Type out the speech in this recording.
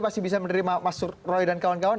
pasti bisa menerima mas roy dan kawan kawan